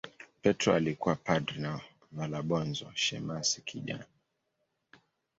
Petro alikuwa padri na Valabonso shemasi kijana.